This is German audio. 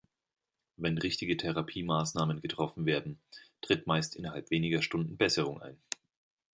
Wenn richtige Therapiemaßnahmen getroffen werden, tritt meist innerhalb weniger Stunden Besserung ein.